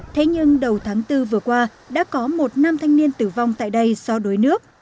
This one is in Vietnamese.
thế nhưng đầu tháng bốn vừa qua đã có một nam thanh niên tử vong tại đây so đuối nước